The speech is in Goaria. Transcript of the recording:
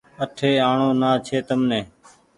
آٺي آڻو نا ڇي تمني